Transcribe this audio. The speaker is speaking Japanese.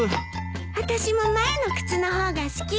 あたしも前の靴の方が好き。